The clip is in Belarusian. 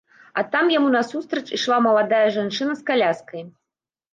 А там яму насустрач ішла маладая жанчына з каляскай.